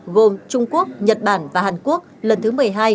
gồm trung quốc nhật bản và hàn quốc lần thứ một mươi hai